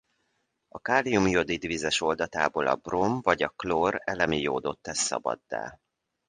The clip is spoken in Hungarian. A kálium-jodid vizes oldatából a bróm vagy a klór elemi jódot tesz szabaddá.